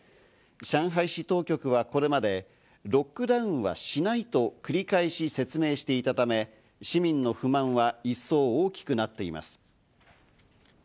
上海市当局はこれまでロックダウンはしないと繰り返し説明していたため、市民の不満は一層大きくなっています。